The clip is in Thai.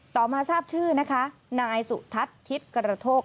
ต่อมาทราบชื่อนะคะนายสุทัศน์ทิศกระโทก